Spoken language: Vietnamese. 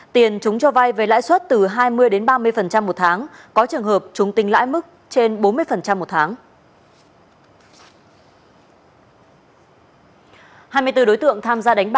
tiền chúng cho vai với lãi suất từ hai mươi ba mươi một tháng có trường hợp chúng tinh lãi mức trên bốn mươi một tháng